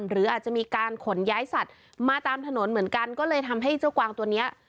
หรืออาจจะมีการขนย้ายสัตว์มาตามถนนเหมือนกันก็เลยทำให้เจ้ากวางตัวเนี้ย